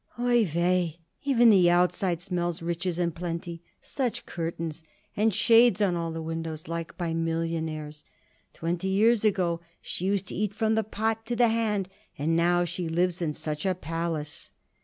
"Oi weh! even the outside smells riches and plenty! Such curtains! And shades on all windows like by millionaires! Twenty years ago she used to eat from the pot to the hand, and now she lives in such a palace."